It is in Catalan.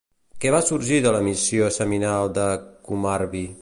Què va sorgir de l'emissió seminal i de Kumarbi?